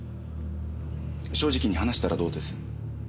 正直に話したらどうです？